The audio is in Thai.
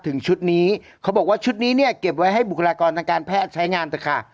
ถึงชุดนี้เขาบอกว่าชุดนี้เนี่ยเก็บไว้ให้บุคลากรทางการแพทย์ใช้งานเถอะค่ะ